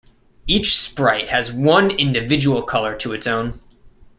Each sprite has one individual colour to its own.